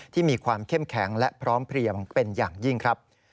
ที่มีความเข้มแข็งและพร้อมเพลียงเป็นอย่างยิ่งครับ